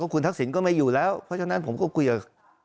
คุณทักษิณก็ไม่อยู่แล้วเพราะฉะนั้นผมก็คุยกับ